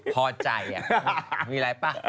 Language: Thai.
พอใจมีอะไรป่ะ